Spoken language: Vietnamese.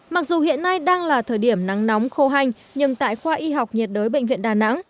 mặc dù hiện nay đang là thời điểm nắng nóng khô hành nhưng tại khoa y học nhiệt đới bệnh viện đà nẵng